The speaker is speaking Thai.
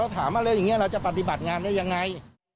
แล้วถามว่าเรื่องอย่างเนี่ยเราจะปฏิบัติงานได้ยังไง